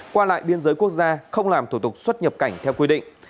qua lại biên giới quốc gia không làm thủ tục xuất nhập cảnh theo quy định